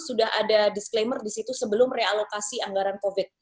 sudah ada disclaimer di situ sebelum realokasi anggaran covid